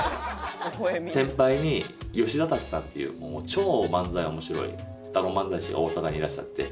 先輩に吉田たちさんっていう超漫才面白い双子漫才師が大阪にいらっしゃって。